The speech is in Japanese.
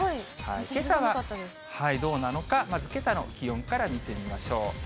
けさはどうなのか、まずけさの気温から見てみましょう。